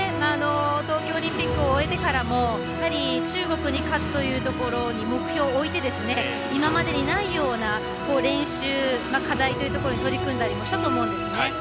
東京オリンピックを終えてからも中国に勝つというところに目標を置いて今までにないような練習課題というところを取り組んだりしたと思うんですね。